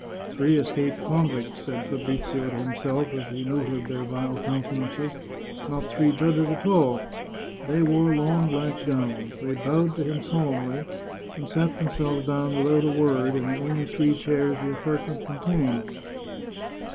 " Three escaped convicts," said Fabrizio to himself, as he noted their vile countenances, " not three judges at all." They wore long black gowns; they bowed to him solemnly, and sat them selves down without a word, in the only three chairs the apartment contained.